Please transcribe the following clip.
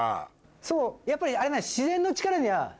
そうやっぱりあれなんです。